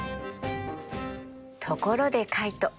ところでカイト。